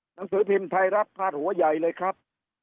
หนังสือพิมพ์ไทยรัฐพาดหัวใหญ่เลยครับ